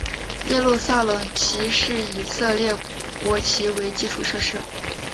耶路撒冷市旗是以以色列国旗为基础设计。